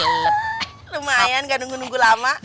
lumayan gak nunggu nunggu lama